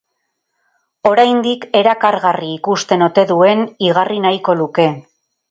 Oraindik erakargarri ikusten ote duen igarri nahiko luke.